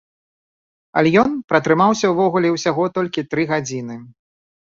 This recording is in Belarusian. Але ён пратрымаўся ўвогуле ўсяго толькі тры гадзіны.